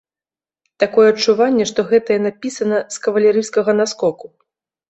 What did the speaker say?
Такое адчуванне, што гэтая напісана з кавалерыйскага наскоку.